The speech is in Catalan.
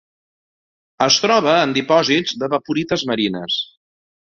Es troba en dipòsits d'evaporites marines.